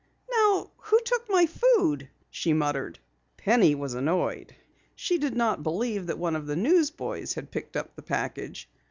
"Now who took my food?" she muttered. Penny was annoyed. She did not believe that one of the newsboys had picked up the package.